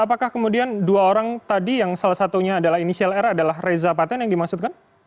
apakah kemudian dua orang tadi yang salah satunya adalah inisial r adalah reza paten yang dimaksudkan